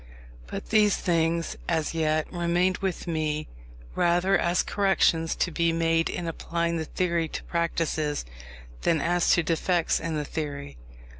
But these things, as yet, remained with me rather as corrections to be made in applying the theory to practice, than as defects in the theory.